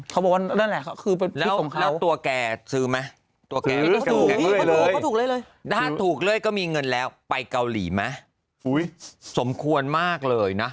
เขาบอกว่าว่านั่นแหละ